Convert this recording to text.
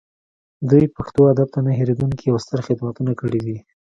دوی پښتو ادب ته نه هیریدونکي او ستر خدمتونه کړي دي